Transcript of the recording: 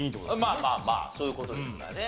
まあまあまあそういう事ですからね。